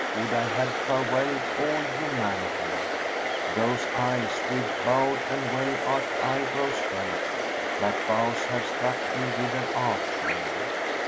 * Would I had farewelled all humanity: Those eyes, with bowed and well arched eyebrows[FN#386] dight, * Like bows have struck me with their archery."